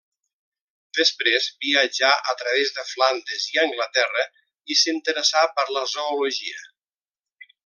Després viatjà a través de Flandes i Anglaterra i s’interessà per la zoologia.